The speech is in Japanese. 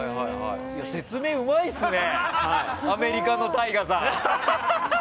説明うまいですねアメリカのＴＡＩＧＡさん。